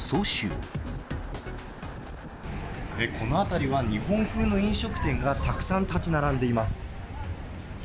この辺りは、日本風の飲食店がたくさん建ち並んでいます。